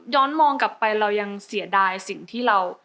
มองกลับไปเรายังเสียดายสิ่งที่เรา